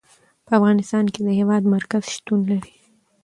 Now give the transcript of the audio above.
په افغانستان کې د هېواد مرکز شتون لري.